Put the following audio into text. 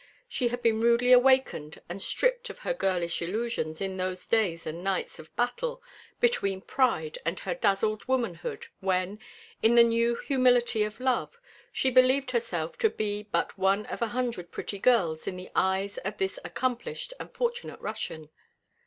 She had been rudely awakened and stripped of her girlish illusions in those days and nights of battle between pride and her dazzled womanhood when, in the new humility of love, she believed herself to be but one of a hundred pretty girls in the eyes of this accomplished and fortunate Russian.